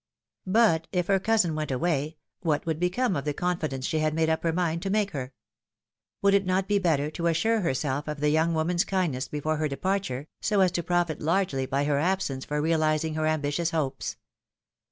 But if her cousin went away, what would become of the con fidence she had made up her mind to make her ? Would it not be better to assure herself of the young woman's kindness before her departure, so as to profit largely by her absence for realizing her ambitious hopes?